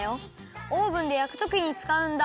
オーブンでやくときにつかうんだ。